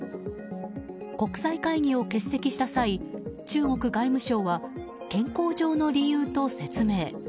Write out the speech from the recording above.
国際会議を欠席した際中国外務省は健康上の理由と説明。